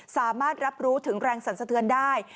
สามารถรับรู้ถึงแรงสันเสือญได้